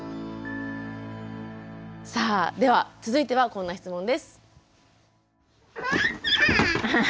さあでは続いてはこんな質問です。